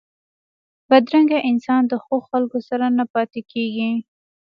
بدرنګه انسان د ښو خلکو سره نه پاتېږي